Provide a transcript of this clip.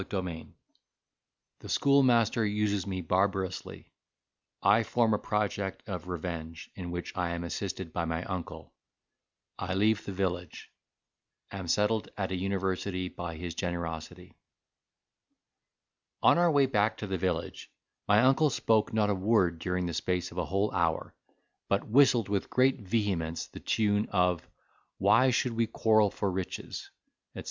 CHAPTER V The Schoolmaster uses me barbarously—I form a Project of Revenge, in which I am assisted by my Uncle—I leave the Village—am settled at a University by his Generosity On our way back to the village, my uncle spoke not a word during the space of a whole hour, but whistled with great vehemence the tune of "Why should we quarrel for riches," etc.